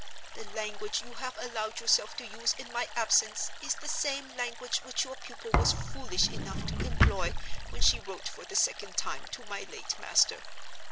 The language you have allowed yourself to use in my absence is the same language which your pupil was foolish enough to employ when she wrote for the second time to my late master.